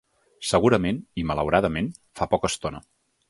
Segurament, i malauradament, fa poca estona.